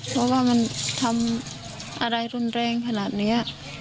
เพราะว่ามันทำอะไรรุนแรงขนาดนี้